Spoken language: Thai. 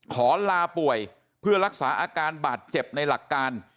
ขอลาป่วยเพื่อรักษาอาการบาดเจ็บในหลักการ